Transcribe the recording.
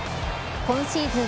今シーズン